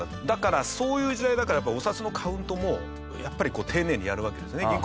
だからそういう時代だからお札のカウントもやっぱり丁寧にやるわけですね。